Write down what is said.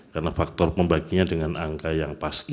karena faktor pembaginya dengan angka yang pasti